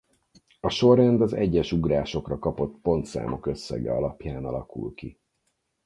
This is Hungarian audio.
A sorrend az egyes ugrásokra kapott pontszámok összege alapján alakul ki.